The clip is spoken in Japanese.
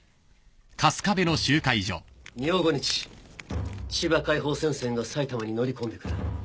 明後日千葉解放戦線が埼玉に乗り込んでくる。